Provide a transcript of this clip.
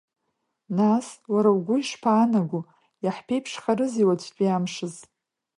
Нас, уара угәы ишԥаанаго, иаҳԥеиԥшхарызеи уаҵәтәи амшаз?